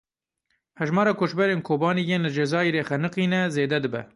Hejmara koçberên Kobanî yên li Cezayirê xeniqîne zêde dibe.